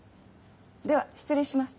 では失礼します。